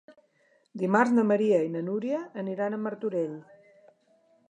Dimarts na Maria i na Núria aniran a Martorell.